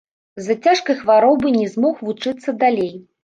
З-за цяжкай хваробы не змог вучыцца далей.